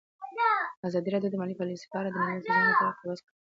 ازادي راډیو د مالي پالیسي په اړه د نړیوالو سازمانونو راپورونه اقتباس کړي.